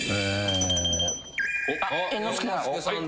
・猿之助さん。